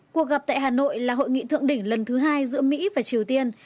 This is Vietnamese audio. cuộc gặp tại hà nội là hội nghị thượng đỉnh lần thứ hai giữa mỹ và triều tiên